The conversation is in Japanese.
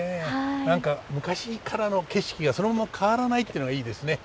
何か昔からの景色がそのまま変わらないってのがいいですね。